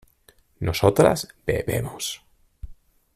nosotras bebemos